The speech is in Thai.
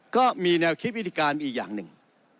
ก็มีแนวคิดวิธีการอีกอย่างหนึ่ง